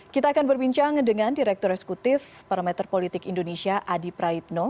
kita akan berbincang dengan direktur eksekutif parameter politik indonesia adi praitno